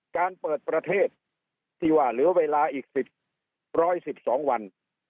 การเปิดประเทศที่ว่าเหลือเวลาอีกสิบร้อยสิบสองวัน